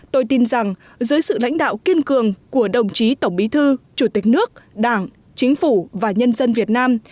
tôi tin rằng dưới sự lãnh đạo kiên cường của đồng chí tổng bí thư chủ tịch nước đảng chính phủ và nhân dân việt nam